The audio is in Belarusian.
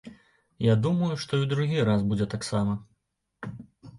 Я думаю, што і ў другі раз будзе так сама.